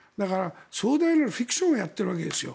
壮大なるフィクションをやっているわけです。